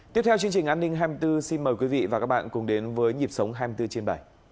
tiếp theo chương trình an ninh hai mươi bốn xin mời quý vị và các bạn cùng đến với nhịp sống hai mươi bốn trên bảy